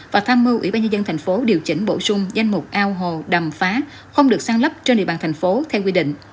và tham mưu ủy ban nhân dân tp hcm điều chỉnh bổ sung danh mục ao hồ đầm phá không được sáng lắp trên địa bàn tp hcm theo quy định